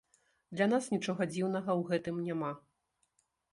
Для нас нічога дзіўнага ў гэтым няма.